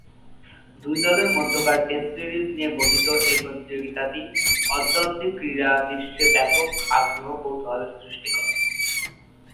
দুই দলের মধ্যকার টেস্ট সিরিজ নিয়ে গঠিত এ প্রতিযোগিতাটি অদ্যাবধি ক্রীড়া বিশ্বে ব্যাপক আগ্রহ-কৌতূহলের সৃষ্টি করে।